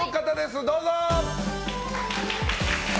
どうぞ！